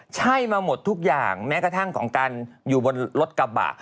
ใช่มาหมดทุกอย่างแม้กระทั่งของการอยู่บนรถกระบะ